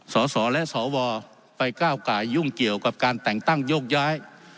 สสและสวไปก้าวไก่ยุ่งเกี่ยวกับการแต่งตั้งโยกย้าย